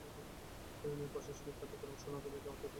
এ ইউনিয়নের প্রশাসনিক কার্যক্রম সোনাগাজী থানার আওতাধীন।